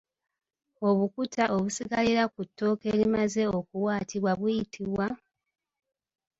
Obukuta obusigalira ku ttooke erimaze okuwaatibwa buyitibwa?